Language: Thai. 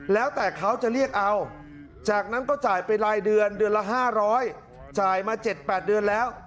แล้วแต่เขาจะเรียกเอาจากนั้นก็จ่ายไปรายเดือนเดือนละ๕๐๐จ่ายมา๗๘เดือนแล้ว